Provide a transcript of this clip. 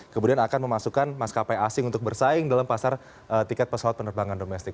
kemudian akan memasukkan maskapai asing untuk bersaing dalam pasar tiket pesawat penerbangan domestik